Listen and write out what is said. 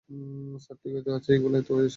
Sir, ঠিকই তো আছে, এইগুলাই তো সব।